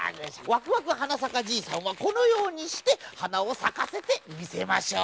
ワクワクはなさかじいさんはこのようにしてはなをさかせてみせましょう。